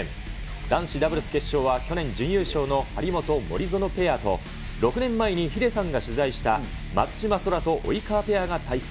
男子ダブルス決勝は去年、準優勝の張本・森薗ペアと、６年前にヒデさんが取材した、松島輝空と及川ペアが対戦。